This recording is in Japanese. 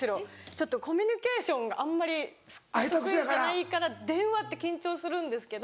ちょっとコミュニケーションがあんまり得意じゃないから電話って緊張するんですけど。